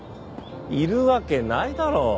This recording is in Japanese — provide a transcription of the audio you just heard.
いるわけないだろう。